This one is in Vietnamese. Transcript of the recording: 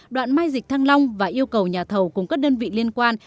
đoạn mai dịch thăng long và yêu cầu nhà thầu cùng các đơn vị liên quan